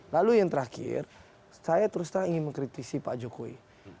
lalu yang terakhir saya terus terang ingin mengkritisi pak jokowi